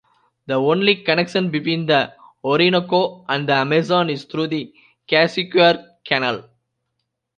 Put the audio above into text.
The only connection between the Orinoco and the Amazon is through the Casiquiare canal.